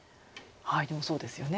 でもそうですよね。